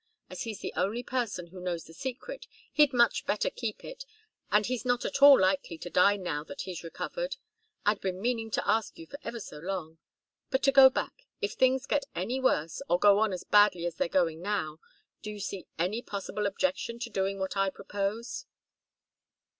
As he's the only person who knows the secret, he'd much better keep it, and he's not at all likely to die now that he's recovered. I'd been meaning to ask you for ever so long. But to go back if things get any worse, or go on as badly as they're going now, do you see any possible objection to doing what I propose?"